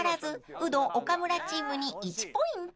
ウド岡村チームに１ポイント］